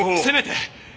せめて！